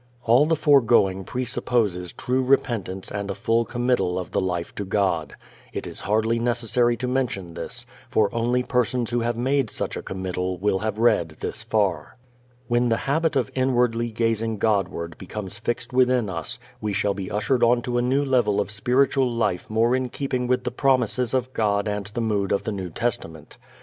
All the foregoing presupposes true repentance and a full committal of the life to God. It is hardly necessary to mention this, for only persons who have made such a committal will have read this far. When the habit of inwardly gazing Godward becomes fixed within us we shall be ushered onto a new level of spiritual life more in keeping with the promises of God and the mood of the New Testament.